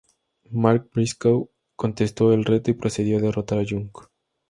Mark Briscoe contestó el reto y procedió a derrotar a Young.